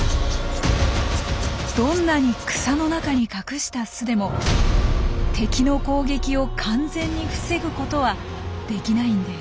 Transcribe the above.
どんなに草の中に隠した巣でも敵の攻撃を完全に防ぐことはできないんです。